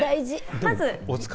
まず。